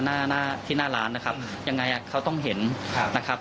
หน้าหน้าที่หน้าร้านนะครับยังไงอ่ะเขาต้องเห็นครับนะครับ